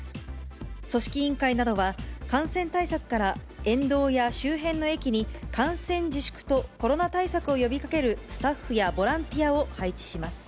組織委員会などは、感染対策から、沿道や周辺の駅に、観戦自粛とコロナ対策を呼びかけるスタッフやボランティアを配置します。